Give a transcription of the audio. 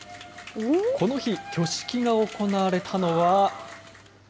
この日、挙式が行われたのは。